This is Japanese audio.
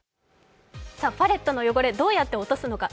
パレットの汚れ、どう落とすのか。